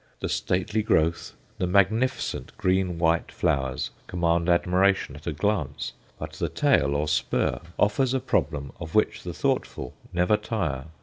The stately growth, the magnificent green white flowers, command admiration at a glance, but the "tail," or spur, offers a problem of which the thoughtful never tire.